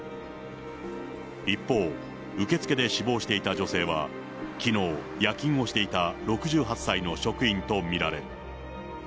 一方、受付で死亡していた女性は、きのう、夜勤をしていた６８歳の職員と見られる。